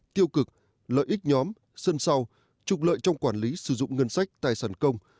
tiêu cực lợi ích nhóm sân sau trục lợi trong quản lý sử dụng ngân sách tài sản công